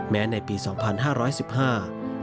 ในปีสองพันห้าร้อยสิบห้า